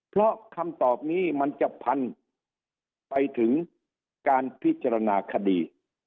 เพราะคำตอบนี้มันจะพันไปถึงการพิจารณาคดี